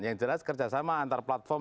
yang jelas kerjasama antarplatform